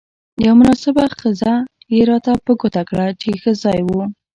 یوه مناسبه خزه يې راته په ګوته کړه، چې ښه ځای وو.